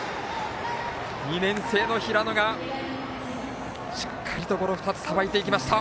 ２年生の平野がしっかりとゴロ２つさばいていきました。